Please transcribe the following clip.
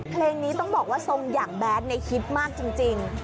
เพลงนี้ต้องบอกว่าทรงอย่างแบทฮิตมากจริง